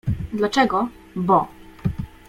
— Dlaczego? — Bo.